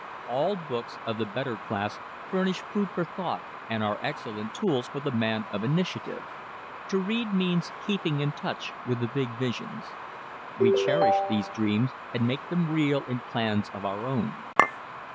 All books of the better class furnish food for thought and are excellent tools for the man of initiative. To read means keeping in touch with the big visions. We cherish these dreams and make them real in plans of our own.